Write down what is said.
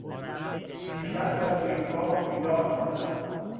دیشب تا دیرگاه بیدار ماندم.